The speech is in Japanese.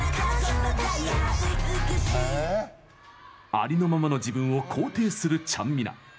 ありのままの自分を肯定するちゃんみな。